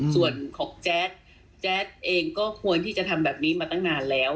ส่วนของแจ๊ดแจ๊ดเองก็ควรที่จะทำแบบนี้มาตั้งนานแล้ว